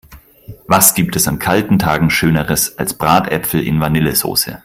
Was gibt es an kalten Tagen schöneres als Bratäpfel in Vanillesoße!